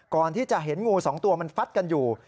ก่อนที่จะเห็นงูสองตัวมันฟัดกันอยู่